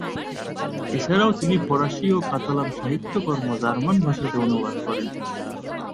এছাড়াও তিনি ফরাসি ও কাতালান সাহিত্যকর্ম জার্মান ভাষাতে অনুবাদ করেন।